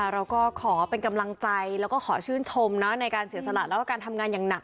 เราก็ขอเป็นกำลังใจแล้วก็ขอชื่นชมในการเสียสละแล้วก็การทำงานอย่างหนัก